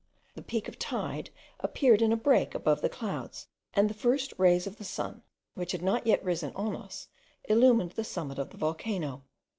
The peak of Teyde appeared in a break above the clouds, and the first rays of the sun, which had not yet risen on us, illumined the summit of the volcano.